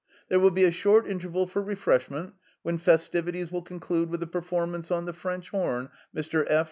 *'— ^There will be a short interval for refreshment, when festivities will conclude with a performance on the Prench Horn: Mr. P.